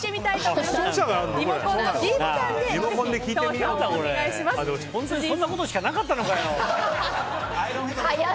そんなことしかなかったのかよ！